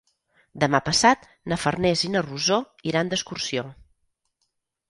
Demà passat na Farners i na Rosó iran d'excursió.